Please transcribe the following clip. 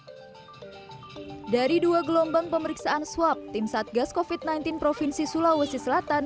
hai dari dua gelombang pemeriksaan swab tim satgas kofit sembilan belas provinsi sulawesi selatan